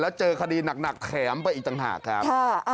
แล้วเจอคดีหนักแถมไปอีกต่างหากครับ